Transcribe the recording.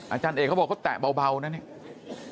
อาจารย์เอกเขาบอกเขาแตะเบานะเนี่ย